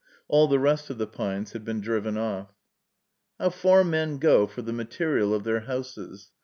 All the rest of the pines had been driven off. How far men go for the material of their houses!